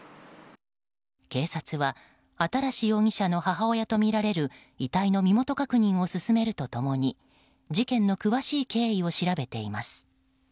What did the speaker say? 警察は新容疑者の母親とみられる遺体の身元確認を進めると共に事件の詳しい経緯を調べています。